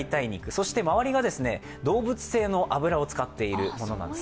そして周りが動物性の脂を使っているものなんです。